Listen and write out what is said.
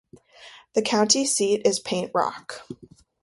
Its county seat is Paint Rock.